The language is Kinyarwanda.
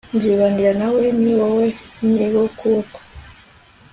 nzibanira nawe, ni wowe nyir'ukuboko